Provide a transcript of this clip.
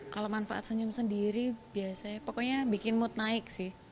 kalau manfaat senyum sendiri biasanya pokoknya bikin mood naik sih